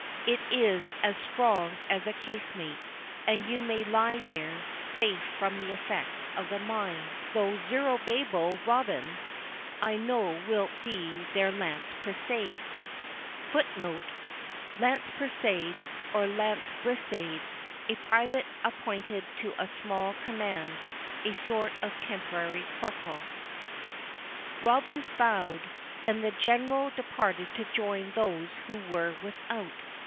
It is as strong as a casemate, and you may lie there safe from the effects of the mine. Thou, Zerubbabel Robins, I know wilt be their lance prisade." "Lance prisade," or "lance brisade," a private appointed to a small command—a sort of temporary corporal. Robins bowed, and the General departed to join those who were without.